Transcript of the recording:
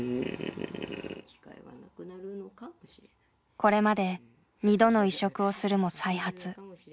これまで２度の移植をするも再発。